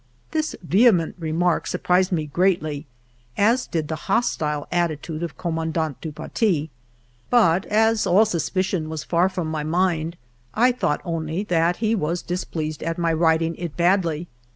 This vehement remark surprised me greatly, as did the hostile attitude of Commandant du Paty. But as all suspicion was far from my mind, I thought only that he was displeased at my writ ing it badly.